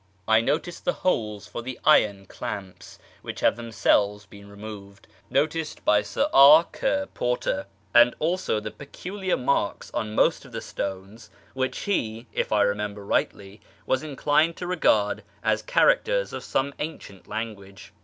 I noticed the holes for the iron clamps (which have themselves been removed) noticed by Sir E. Ker Porter, and also the peculiar marks on most of the stones which he, if I remember rightly, was inclined to regard as characters of some ancient language.